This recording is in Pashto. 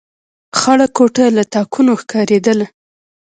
خړه کوټه له تاکونو ښکارېدله.